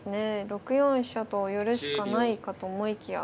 ６四飛車と寄るしかないかと思いきや。